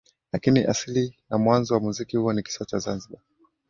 Lakini asili na mwanzo wa muziki huo ni kisiwa cha Zanzibar